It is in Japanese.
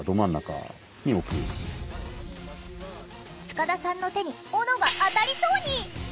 塚田さんの手にオノが当たりそうに！